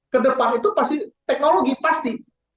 kedepan itu pasti teknologi pasti